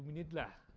tiga puluh menit lah